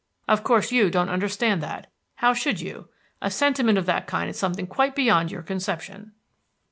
Of course you don't understand that. How should you? A sentiment of that kind is something quite beyond your conception."